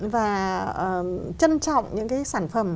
và trân trọng những cái sản phẩm